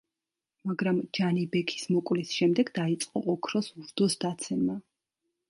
მაგრამ ჯანიბექის მოკვლის შემდეგ დაიწყო ოქროს ურდოს დაცემა.